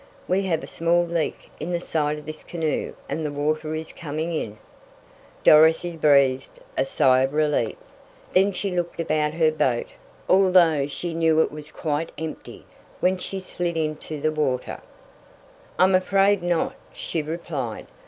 We have a small leak in the side of this canoe and the water is coming in." Dorothy breathed a sigh of relief. Then she looked about her boat although she knew it was quite empty when she slid it into the water. "I'm afraid not," she replied.